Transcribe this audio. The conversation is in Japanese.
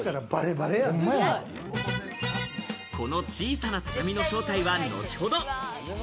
この小さな畳の正体は後ほど。